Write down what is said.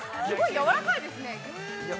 やわらかいですね。